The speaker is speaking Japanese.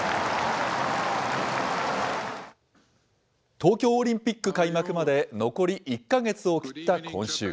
東京オリンピック開幕まで残り１か月を切った今週。